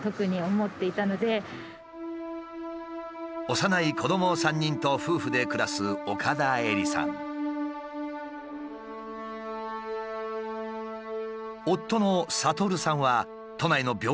幼い子ども３人と夫婦で暮らす夫の悟さんは都内の病院に勤める医師。